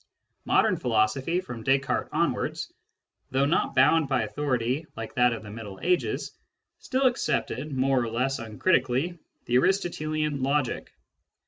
Modern philosophy, from Descartes onwards, though not bound by authority like that of the Middle Ages, still accepted more or less uncritically the Aristotelian logic.